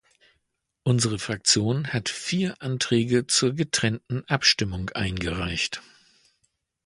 Unsere Fraktion hat vier Anträge zur getrennten Abstimmung eingereicht.